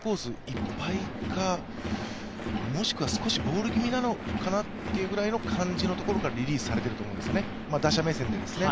いっぱいか、もしくは少しボール気味なのかなっていう感じのところからリリースされていると思うんです、打者目線で。